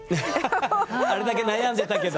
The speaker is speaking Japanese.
ハハハあれだけ悩んでたけど。